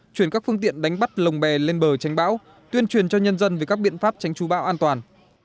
chuyển các phương tiện đánh bắt lồng bè lên bờ tránh bão tuyên truyền cho nhân dân về các biện pháp tránh chú bão an toàn